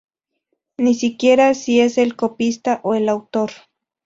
Ni siquiera si es el copista o el autor.